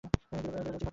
বেরো বলছি ঘর থেকে।